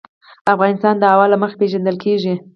افغانستان د هوا له مخې پېژندل کېږي.